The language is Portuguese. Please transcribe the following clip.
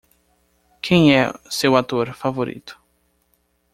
Quem é seu ator favorito?